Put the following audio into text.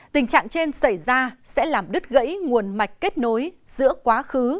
tình trạng trên xảy ra sẽ làm đứt gãy nguồn mạch kết nối giữa quá khứ